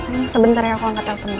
sayang sebentar ya aku angkat teleponnya